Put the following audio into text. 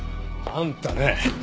あんたね！